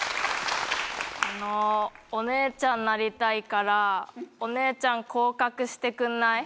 あのお姉ちゃんなりたいからお姉ちゃん降格してくんない？